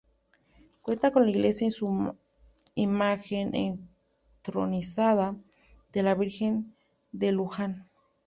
Cuenta con la iglesia y su imagen entronizada de la Virgen de Luján.